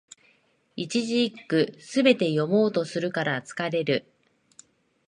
一字一句、すべて読もうとするから疲れる